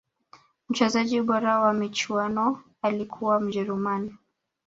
mchezaji bora wa michuano alikuwa ni mjeruman